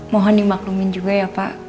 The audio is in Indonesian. mohon dimaklumin juga ya pak